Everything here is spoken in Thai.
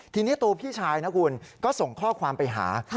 ทีนี้ตัวพี่ชายนะคุณก็ส่งข้อความไปหา